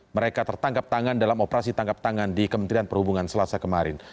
mereka tertangkap tangan dalam operasi tangkap tangan di kementerian perhubungan selasa kemarin